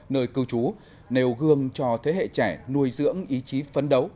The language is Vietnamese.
nơi cư trú nêu gương cho thế hệ trẻ nuôi dưỡng ý chí phấn đấu